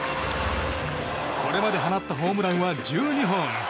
これまで放ったホームランは１２本。